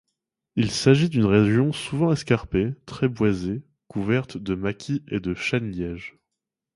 Il s'agit d'une région souvent escarpée, très boisée, couverte de maquis et de chênes-lièges.